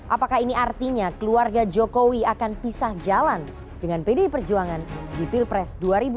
apakah ini artinya keluarga jokowi akan pisah jalan dengan pdi perjuangan di pilpres dua ribu dua puluh